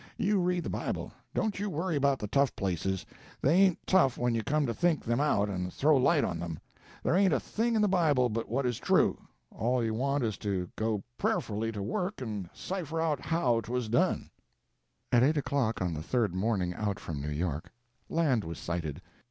You read the Bible. Don't you worry about the tough places. They ain't tough when you come to think them out and throw light on them. There ain't a thing in the Bible but what is true; all you want is to go prayerfully to work and cipher out how 'twas done." At eight o'clock on the third morning out from New York, land was sighted.